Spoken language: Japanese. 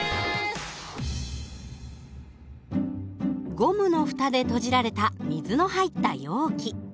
ゴムの蓋で閉じられた水の入った容器。